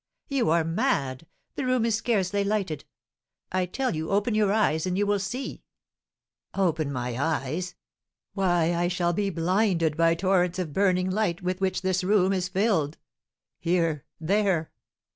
"You are mad the room is scarcely lighted. I tell you, open your eyes and you will see." "Open my eyes! Why, I shall be blinded by torrents of burning light, with which this room is filled. Here! There!